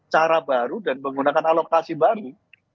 cara baru dan menggunakan alokasi baru